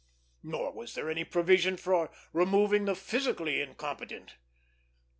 Nor was there any provision for removing the physically incompetent.